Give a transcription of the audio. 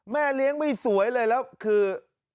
แม่เลี้ยงไม่สวยเลยแล้วคือ